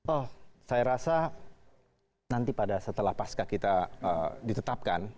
oh saya rasa nanti pada setelah pasca kita ditetapkan